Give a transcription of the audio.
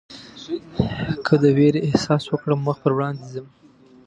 که د وېرې احساس وکړم مخ پر وړاندې ځم.